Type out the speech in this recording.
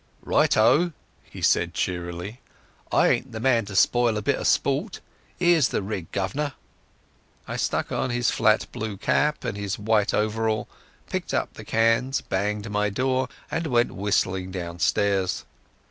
"Right o!" he said cheerily. "I ain't the man to spoil a bit of sport. 'Ere's the rig, guv'nor." I stuck on his flat blue hat and his white overall, picked up the cans, banged my door, and went whistling downstairs.